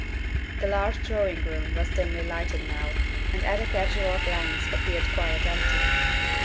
The large drawing room was dimly lighted now, and at a casual glance appeared quite empty.